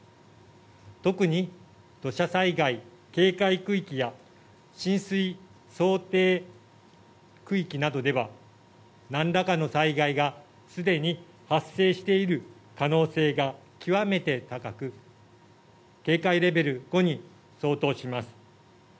特に土砂災害警戒区域や浸水想定区域などではなんらかの災害がすでに発生している可能性が極めて高く警戒レベル５に相当します。